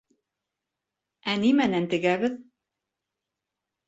Ә нимәнән тегәбеҙ?